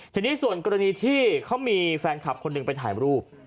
ทีนี้ส่วนกรณีที่เขามีแฟนคลับคนหนึ่งไปถ่ายรูป